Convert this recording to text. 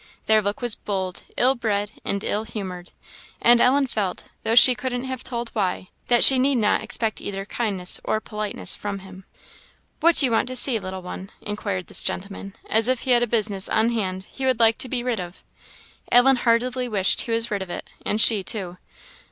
Their look was bold, ill bred, and ill humoured; and Ellen felt, though she couldn't have told why, that she need not expect either kindness or politeness from him. "What do you want to see, little one?" inquired this gentleman, as if he had a business on hand he would like to be rid of. Ellen heartily wished he was rid of it, and she too.